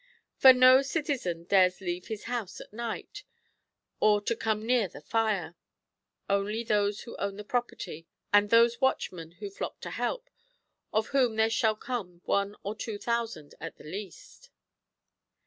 For no citizen dares leave his house at night, or to come near the fire ; only those who own the property, and those watchmen who ilock to help, of wiiom there shall come one or two thousand at the least.